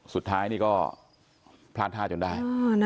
สุดท้ายนี่ก็พลาดท่าจนได้